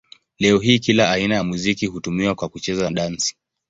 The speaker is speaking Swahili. Leo hii kila aina ya muziki hutumiwa kwa kucheza dansi.